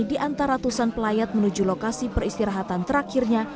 di antaratusan pelayat menuju lokasi peristirahatan terakhirnya